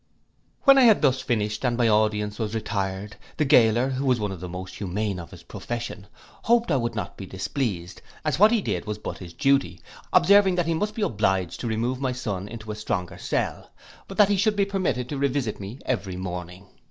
When I had thus finished and my audience was retired, the gaoler, who was one of the most humane of his profession, hoped I would not be displeased, as what he did was but his duty, observing that he must be obliged to remove my son into a stronger cell, but that he should be permitted to revisit me every morning.